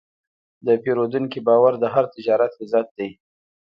د پیرودونکي باور د هر تجارت عزت دی.